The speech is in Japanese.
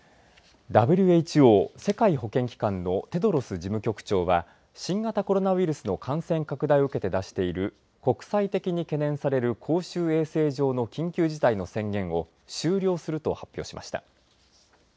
ＷＨＯ、世界保健機関のテドロス事務局長は新型コロナウイルスの感染拡大を受けて出している国際的に懸念される公衆衛生上の緊急事態の宣言を終了すると発表しました。